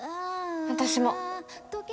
私も。